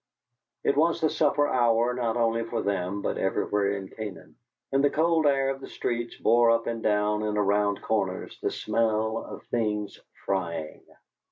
It was the supper hour not only for them but everywhere in Canaan, and the cold air of the streets bore up and down and around corners the smell of things frying.